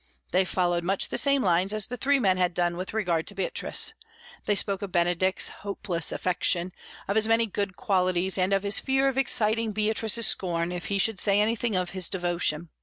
They followed much the same lines as the three men had done with regard to Beatrice. They spoke of Benedick's hopeless affection, of his many good qualities, and of his fear of exciting Beatrice's scorn if he should say anything of his devotion.